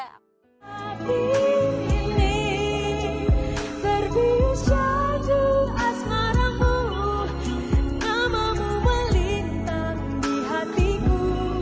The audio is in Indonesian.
gak sini gak hilang warangku